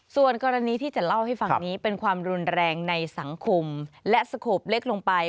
ส่วนกรณีที่จะเล่าให้ฟังนี้เป็นความรุนแรงในสังคมและสโขปเล็กลงไป